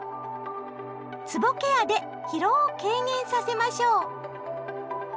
つぼケアで疲労を軽減させましょう！